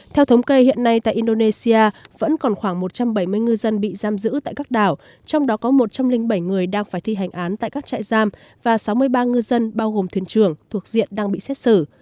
theo thống kê hiện nay tại indonesia vẫn còn khoảng một trăm bảy mươi ngư dân bị giam giữ tại các đảo trong đó có một trăm linh bảy người đang phải thi hành án tại các trại giam và sáu mươi ba ngư dân bao gồm thuyền trưởng thuộc diện đang bị xét xử